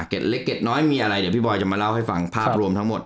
เล็กเกร็ดน้อยมีอะไรเดี๋ยวพี่บอยจะมาเล่าให้ฟังภาพรวมทั้งหมด